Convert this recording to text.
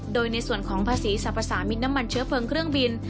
โดยในส่วนของภาษีสรรพสามิตรน้ำมันเชื้อเพลิงเครื่องบิน